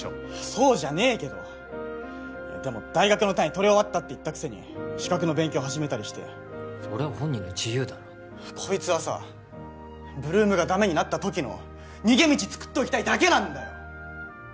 そうじゃねえけどでも大学の単位取り終わったって言ったくせに資格の勉強始めたりしてそれは本人の自由だろこいつはさ８ＬＯＯＭがダメになった時の逃げ道作っておきたいだけなんだよ